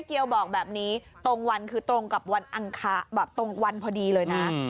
เกียวบอกแบบนี้ตรงวันคือตรงกับวันอังคารแบบตรงวันพอดีเลยนะ